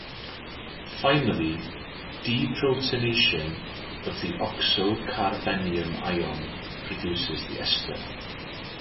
Finally, deprotonation of the oxocarbenium ion produces the ester.